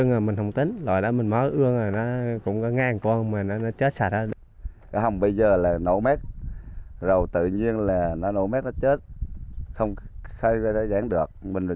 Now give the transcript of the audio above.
nồn lênh bênh trên mặt nước